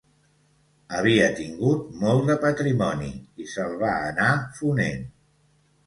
, havia tingut molt de patrimoni i se'l va anar fonent.